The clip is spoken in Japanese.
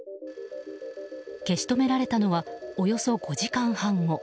消し止められたのはおよそ５時間半後。